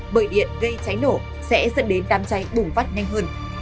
bởi điện gây cháy nổ sẽ dẫn đến đám cháy bùng phát nhanh hơn